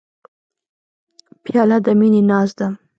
پیاله د مینې ناز ده.